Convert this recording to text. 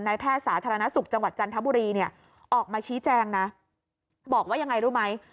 แพทย์สาธารณสุขจังหวัดจันทบุรีเนี่ยออกมาชี้แจงนะบอกว่ายังไงรู้ไหม